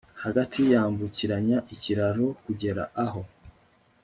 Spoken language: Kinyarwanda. hagati yambukiranya ikiraro kugera aho